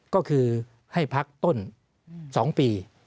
ก็คือให้พักต้น๒ปี